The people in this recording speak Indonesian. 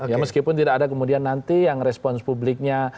ya meskipun tidak ada kemudian nanti yang respons publiknya